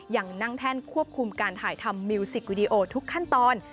ยังนั่งแท่นควบคุมการถ่ายทำมิวสิกวิดีโอทุกขั้นตอน